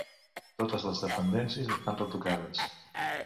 Totes les dependències estan retocades.